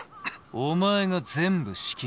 お前が全部仕切れ。